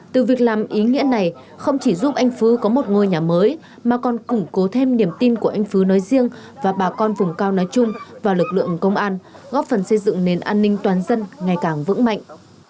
từ việc làm ý nghĩa này không chỉ giúp anh phú có một ngôi nhà mới mà còn củng cố thêm niềm tin của anh phứ nói riêng và bà con vùng cao nói chung và lực lượng công an góp phần xây dựng nền an ninh toàn dân ngày càng vững mạnh